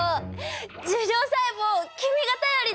樹状細胞君が頼りだ。